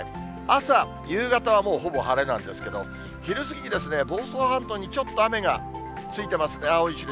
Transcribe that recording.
朝、夕方はもうほぼ晴れなんですけれども、昼過ぎに房総半島にちょっと雨がついてますね、青い印。